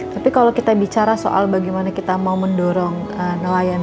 tapi kalau kita bicara soal bagaimana kita mau mendorong nelayan